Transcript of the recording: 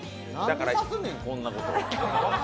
何さすねん、こんなこと！！